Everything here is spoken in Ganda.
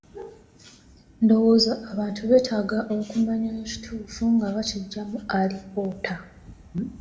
Ndowooza abantu beetaaga okumanya ekituufu nga bakiggya mu alipoota.